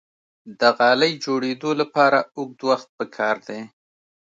د غالۍ جوړیدو لپاره اوږد وخت پکار دی.